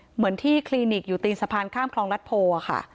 เหมือนที่คลินิกอยู่ตีนสะพานข้ามคลองรัฐโพค่ะ